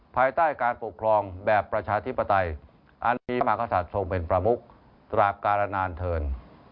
ภายใต้การปกครองแบบประชาธิปไตยอันนี้มากษัตริย์ทรงเป็นประมุกตราบการนานเทิน